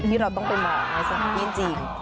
ที่เราต้องไปมองนะสิจริง